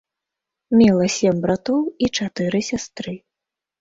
Мела сем братоў і чатыры сястры.